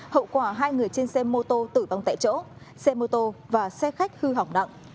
hậu quả hai người trên xe mô tô tử vong tại chỗ xe mô tô và xe khách hư hỏng nặng